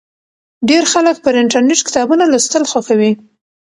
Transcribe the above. ډیر خلک پر انټرنېټ کتابونه لوستل خوښوي.